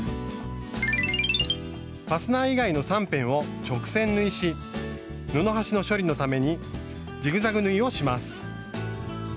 ファスナー以外の３辺を直線縫いし布端の処理のためにジグザグ縫いをします。